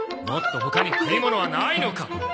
もっと他に食い物はないのか！